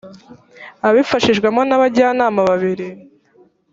abifashijwemo n abajyanama babiri